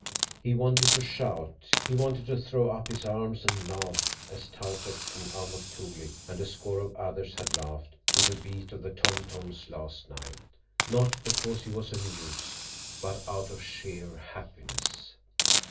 He wanted to shout; he wanted to throw up his arms and laugh as Tautuk and Amuk Toolik and a score of others had laughed to the beat of the tom toms last night, not because he was amused, but out of sheer happiness.